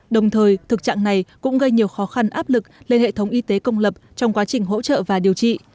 đồng thời thực trạng này cũng gây nhiều khó khăn áp lực lên hệ thống y tế công lập trong quá trình hỗ trợ và điều trị